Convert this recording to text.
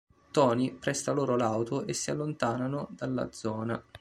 Tony presta loro l'auto e si allontanano dalla zona.